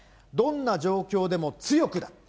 どんな状況でも強くだ。